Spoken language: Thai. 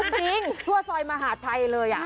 จริงทั่วซอยมาหาไทยเลยอ่ะ